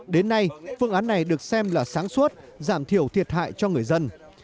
đến nay phương án này được xem là sáng suốt giảm thiểu thiệt hại cho người dân